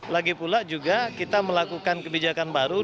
lagi pula juga kita melakukan kebijakan baru